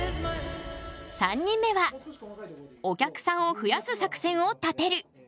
３人目はお客さんを増やす作戦を立てる！